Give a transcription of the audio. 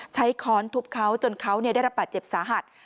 ค้อนทุบเขาจนเขาได้รับบาดเจ็บสาหัส